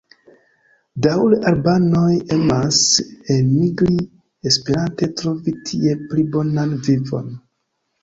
Daŭre albanoj emas elmigri esperante trovi tie pli bonan vivon.